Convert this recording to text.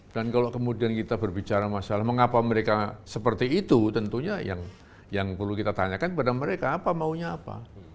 kalau kemudian kita berbicara masalah mengapa mereka seperti itu tentunya yang perlu kita tanyakan kepada mereka apa maunya apa